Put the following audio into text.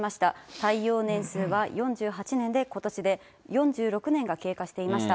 耐用年数は４８年で、ことしで４６年が経過していました。